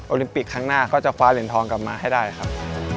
ลิมปิกครั้งหน้าก็จะคว้าเหรียญทองกลับมาให้ได้ครับ